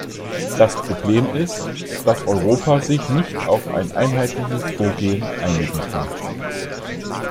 Das Problem ist, dass Europa sich nicht auf ein einheitliches Vorgehen einigen kann.